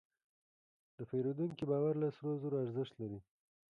د پیرودونکي باور له سرو زرو ارزښت لري.